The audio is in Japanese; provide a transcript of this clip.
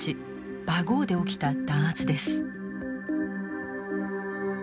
バゴーで起きた弾圧です。